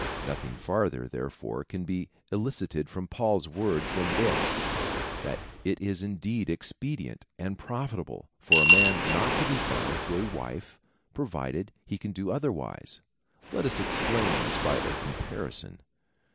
Nothing farther, therefore, can be elicited from Paul's words than this — that it is indeed expedient and profitable for a man not to be bound to a wife, provided he can do otherwise. Let us explain this by a comparison.